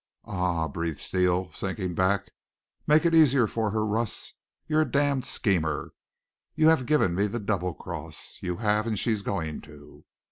"Ah!" breathed Steele, sinking back. "Make it easier for her Russ, you're a damned schemer. You have given me the double cross. You have and she's going to."